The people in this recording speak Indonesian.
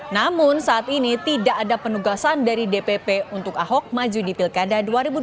namun saat ini tidak ada penugasan dari dpp untuk ahok maju di pilkada dua ribu dua puluh